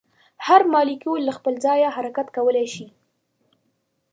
هر مالیکول له خپل ځایه حرکت کولی شي.